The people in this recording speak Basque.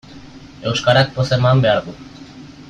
Euskarak poza eman behar du.